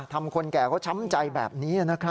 ทำคนแก่ก็ช้ำใจแบบนี้นะครับ